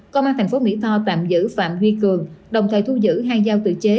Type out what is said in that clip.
công an tp mỹ tho tạm giữ phạm duy cường đồng thời thu giữ hai dao tự chế